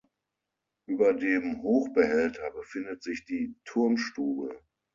Über dem Hochbehälter befindet sich die Turmstube.